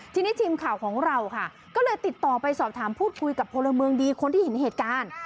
ทีนี้ทีมข่าวของเราค่ะก็เลยติดต่อไปสอบถามพูดคุยกับพลเมืองดีคนที่เห็นเหตุการณ์